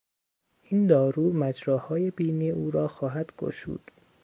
این دارو مجراهای بینی او را خواهد گشود.